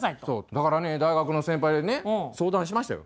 だからね大学の先輩にね相談しましたよ。